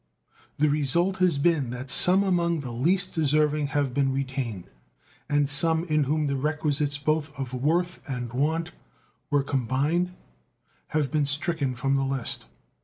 The result has been that some among the least deserving have been retained, and some in whom the requisites both of worth and want were combined have been stricken from the list.